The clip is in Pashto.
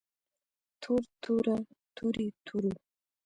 تور توره تورې تورو